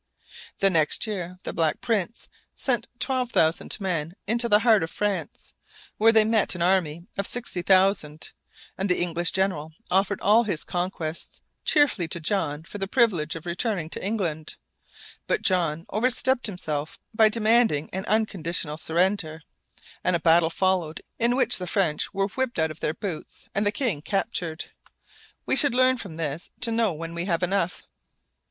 The next year the Black Prince sent twelve thousand men into the heart of France, where they met an army of sixty thousand, and the English general offered all his conquests cheerfully to John for the privilege of returning to England; but John overstepped himself by demanding an unconditional surrender, and a battle followed in which the French were whipped out of their boots and the king captured. We should learn from this to know when we have enough.